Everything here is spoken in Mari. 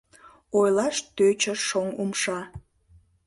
Ойлаш тӧчыш шоҥ умша.